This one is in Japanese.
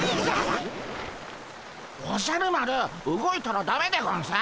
おじゃる丸動いたらだめでゴンス。